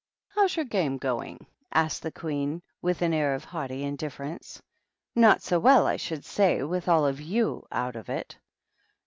" How's your game going ?" asked the Queen, with an air of haughty indifference. "Not so well, I should say, with all of you out of it."